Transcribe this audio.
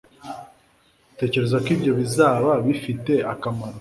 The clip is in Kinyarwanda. utekereza ko ibyo bizaba bifite akamaro